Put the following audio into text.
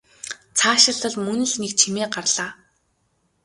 Цаашилтал мөн л нэг чимээ гарлаа.